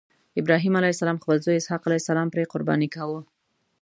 ابراهیم علیه السلام خپل زوی اسحق علیه السلام پرې قرباني کاوه.